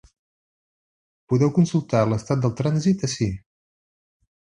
Podeu consultar l’estat del trànsit ací.